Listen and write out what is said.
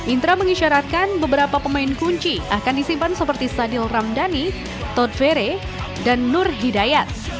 indra mengisyaratkan beberapa pemain kunci akan disimpan seperti sadil ramdhani todvere dan nur hidayat